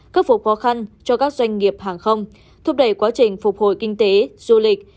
khắc phục khó khăn cho các doanh nghiệp hàng không thúc đẩy quá trình phục hồi kinh tế du lịch